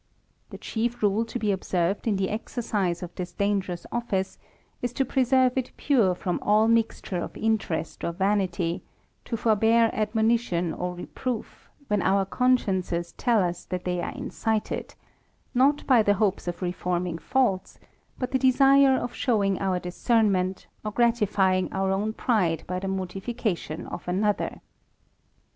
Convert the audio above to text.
The chief rule to be observed in the exercise of this dangerous office, is to preserve it pure from all mixture of interest or vanity ; to forbear admonition or reproof, when our consciences tell us that they are incited, not by the hopes of reforming faults, but the desire of show ing our discernment, or gratifying our own pride by the mortification of another.